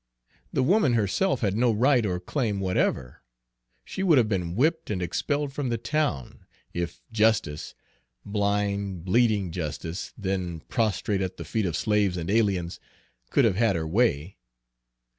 The woman herself had no right or claim whatever; she would have been whipped and expelled from the town, if justice blind, bleeding justice, then prostrate at the feet of slaves and aliens could have had her way!"